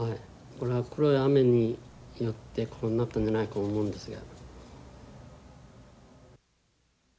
これは黒い雨によってこうなったんじゃないか思うんですが。